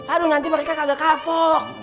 aduh nanti mereka kaget kapok